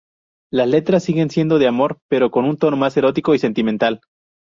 Las letras siguen siendo de amor, pero con un tono más erótico y sentimental.